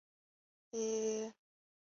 已经接近末期